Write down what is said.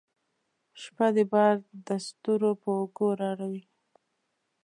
شپه ده بار دستورو په اوږو راوړي